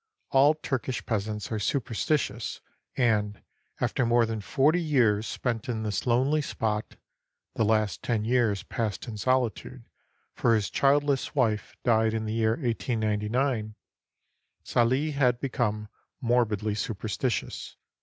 All Turkish peasants are superstitious, and, after more than forty years spent in this lonely spot (the last ten years passed in solitude, for his childless wife died in the year 1899), Salih had become morbidly superstitious.